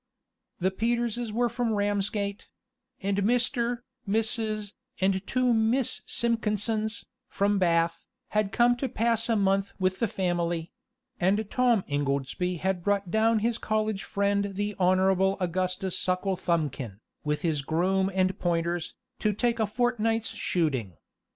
The Peterses were from Ramsgate; and Mr., Mrs., and the two Miss Simpkinsons, from Bath, had come to pass a month with the family; and Tom Ingoldsby had brought down his college friend the Honorable Augustus Sucklethumbkin, with his groom and pointers, to take a fortnight's shooting.